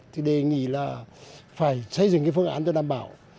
thì đề nghị là phải xây dựng cái phương án cho đảm bảo